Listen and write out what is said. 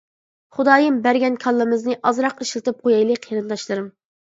خۇدايىم بەرگەن كاللىمىزنى ئازراق ئىشلىتىپ قويايلى قېرىنداشلىرىم.